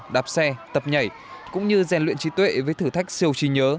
đạp xe tập nhảy cũng như rèn luyện trí tuệ với thử thách siêu trí nhớ